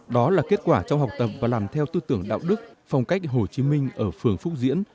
đó là kết quả trong học tập và làm theo tư tưởng đạo đức phong cách hồ chí minh ở phường phúc diễn